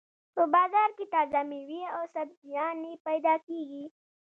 په بازار کې تازه مېوې او سبزيانې پیدا کېږي.